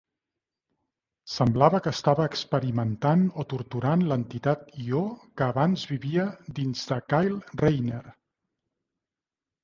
Semblava que estava experimentant o torturant l'entitat Ió que abans vivia dins de Kyle Rayner.